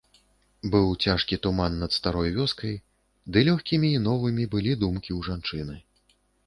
Быў цяжкі туман над старой вёскай, ды лёгкімі і новымі былі думкі ў жанчыны.